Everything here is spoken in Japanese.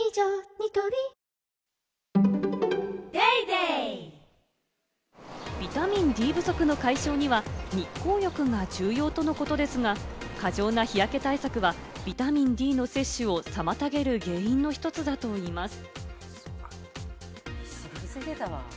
ニトリビタミンＤ不足の解消には、日光浴が重要とのことですが、過剰な日焼け対策はビタミンＤの摂取を妨げる原因の１つだといいます。